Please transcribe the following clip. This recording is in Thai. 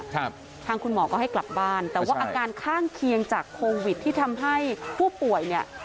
ทางคุณหมอก็ให้กลับบ้านแต่ว่าอาการข้างเคียงจากโควิดที่ทำให้ผู้ป่วยเนี่ย